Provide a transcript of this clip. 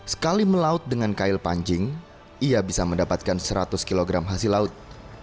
sekali melaut dengan kail pancing ia bisa mendapatkan seratus kg hasil laut